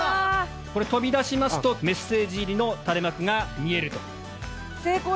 これ飛び出しますとメッセージ入りの垂れ幕が見えると。